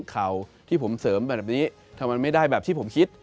ข่าวที่ผมเสริมไปแบบนี้ทำไมไม่ได้แบบที่ผมคิด